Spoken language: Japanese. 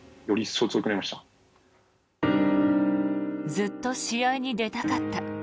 ずっと試合に出たかった。